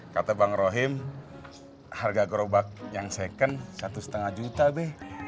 kata bang rohim harga gerobak yang second satu lima juta deh